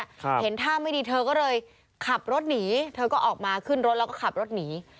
เห็นท่าไม่ดีเธอก็เลยขับรถหนีเธอก็ออกมาขึ้นรถแล้วก็ขับรถหนี